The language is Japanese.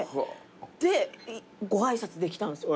でご挨拶できたんですよ。